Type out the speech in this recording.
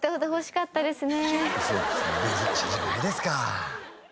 珍しいじゃないですか。